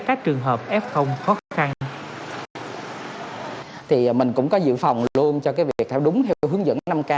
các trường hợp f khó khăn thì mình cũng có giữ phòng luôn cho cái việc theo đúng theo hướng dẫn năm k